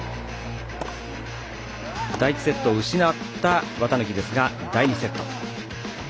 第１セットを失った綿貫ですが、第２セット。